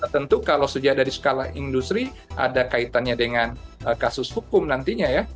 tentu kalau sudah dari skala industri ada kaitannya dengan kasus hukum nantinya ya